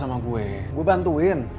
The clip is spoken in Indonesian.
saya akan membantu